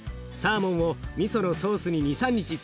サーモンをみそのソースに２３日